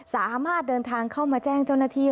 สามารถเดินทางเข้ามาแจ้งเจ้าหน้าที่